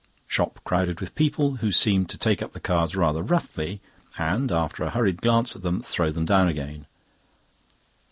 Shop crowded with people, who seemed to take up the cards rather roughly, and, after a hurried glance at them, throw them down again.